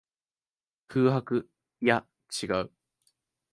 空白。いや、違う。